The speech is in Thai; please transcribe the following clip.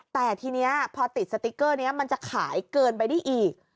แต่ทีนี้พอติดสติ๊กเกอร์นี้มันจะขายเกินไปได้อีก